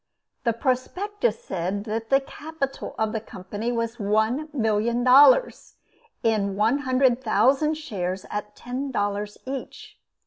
The Prospectus said the capital of the company was one million dollars, in one hundred thousand shares at ten dollars each.